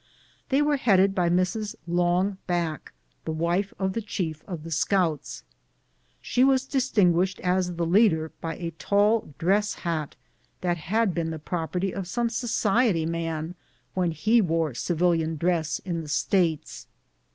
They were headed by Mrs. Long Back, the wife of the chief of the scouts. She was distin guished as the leader by a tall dress hat that had been tlie property of some society man when he wore civilian dress in the States.